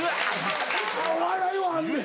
お笑いはあんねん。